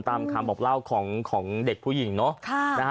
ตามคำบอกเล่าของเด็กผู้หญิงเนาะ